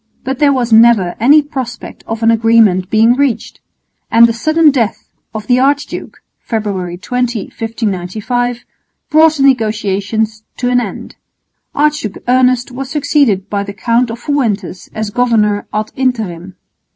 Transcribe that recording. But there was never any prospect of an agreement being reached; and the sudden death of the archduke (February 20,1595) brought the negotiations to an end. Archduke Ernest was succeeded by the Count of Fuentes as governor _ad interim.